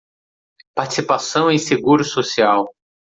Participação em seguro social